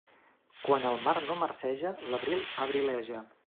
Quan el mar no marceja, l'abril abrileja.